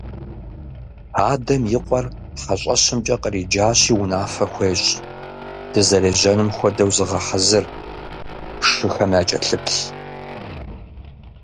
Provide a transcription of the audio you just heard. Адэм и къуэр хьэщӀэщымкӀэ къриджащи унафэ хуещӀ: – Дызэрежьэнум хуэдэу зыгъэхьэзыр, шыхэм якӀэлъыплъ.